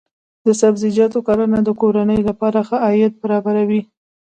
د سبزیجاتو کرنه د کورنۍ لپاره ښه عاید برابروي.